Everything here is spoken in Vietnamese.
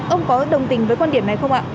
ông có đồng tình với quan điểm này không ạ